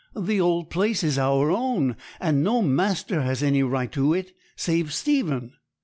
'The old place is our own, and no master has any right to it, save Stephen.'